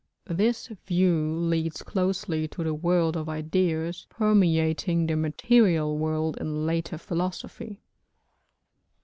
This view leads closely to the world of ideas permeating the material world in later philosophy.